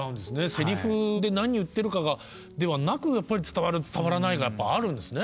せりふで何言ってるかではなくやっぱり伝わる伝わらないがあるんですね。